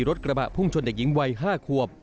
รถกระบะพุ่งชนเด็กหญิงวัย๕ขวบ